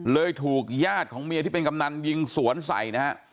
ถูกญาติของเมียที่เป็นกำนันยิงสวนใส่นะฮะ